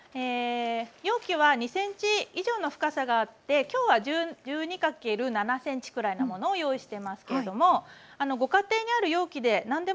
容器は２ｃｍ以上の深さがあって今日は１２×７ｃｍくらいのものを用意してますけれどもご家庭にある容器で何でも大丈夫です。